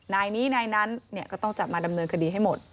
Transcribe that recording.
นายนี้นายนั้นก็ต้องจับมาดำเนินคดีให้หมด